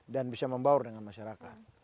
dan bisa membaur dengan masyarakat